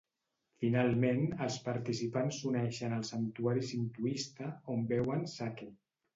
Finalment, els participants s'uneixen al santuari sintoista, on veuen sake.